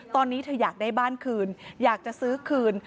ตอนนี้เธออยากได้บ้านคืนอยากจะซื้อคืน